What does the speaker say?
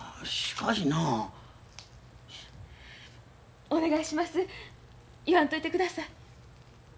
言わんといてください。